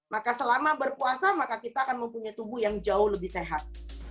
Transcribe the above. maka selama berpuasa maka kita akan mempunyai tubuh yang jauh lebih sehat